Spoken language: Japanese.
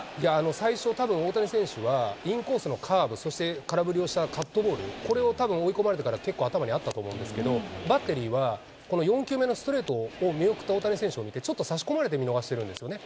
最初、たぶん、大谷選手は、インコースのカーブ、そして空振りをしたカットボール、これをたぶん、追い込まれてから、結構頭にあったと思うんですけど、バッテリーはこの４球目のストレートを見送った大谷選手を見てちょっとさしこまれて見逃してるんですね。